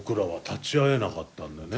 立ち会えなかったんですよ。